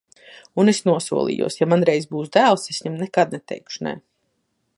Un es nosolījos: ja man reiz būs dēls, es viņam nekad neteikšu nē.